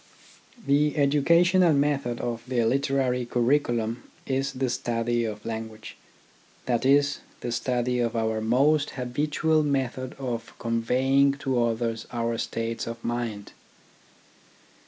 The educational method of the literary curri culum is the study of language, that is, the study of our most habitual method of conveying to others our states of mind.